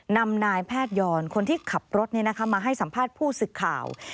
นำนายแพทยอนคนที่ขับรถมาให้สัมภาษณ์ผู้สึกข่าว